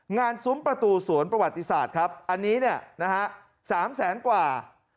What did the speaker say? งานซุ้มประตูสวนประวัติศาสตร์ครับอันนี้๓แสนกว่า